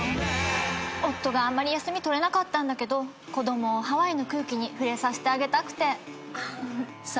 夫があんまり休み取れなかったんだけど子供をハワイの空気に触れさせてあげたくて。